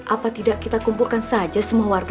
apa tidak kita kumpulkan saja semua warga